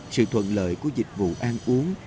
sự thuận lợi của dịch vụ ăn uống